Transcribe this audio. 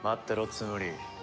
ツムリ。